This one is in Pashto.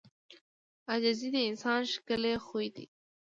• عاجزي د انسان ښکلی خوی دی.